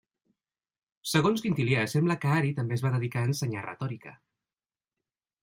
Segons Quintilià, sembla que Ari també es va dedicar a ensenyar retòrica.